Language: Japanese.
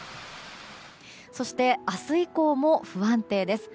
そして、明日以降も不安定です。